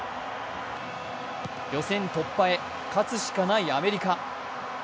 予選突破へ勝つしかないアメリカ。